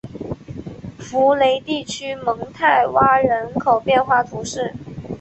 福雷地区蒙泰圭人口变化图示